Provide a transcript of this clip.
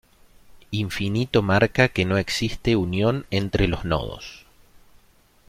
Infinito marca que no existe unión entre los nodos.